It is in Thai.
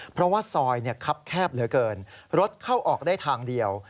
เพราะว่าซอยคับแคบเหลือเกินรถเข้าออกได้ทางเดียว